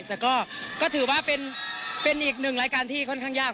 แต่ก็ถือว่าเป็นอีกหนึ่งรายการที่ค่อนข้างยาก